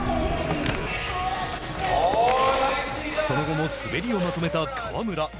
その後も滑りをまとめた川村。